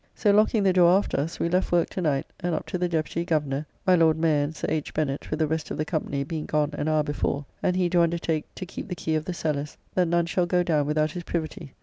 So locking the door after us, we left work to night, and up to the Deputy Governor (my Lord Mayor, and Sir H. Bennet, with the rest of the company being gone an hour before); and he do undertake to keep the key of the cellars, that none shall go down without his privity.